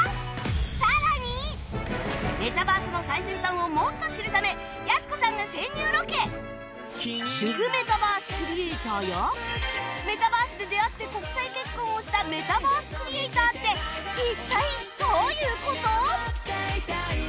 さらにメタバースの最先端をもっと知るため主婦メタバースクリエイターやメタバースで出会って国際結婚をしたメタバースクリエイターって一体どういう事！？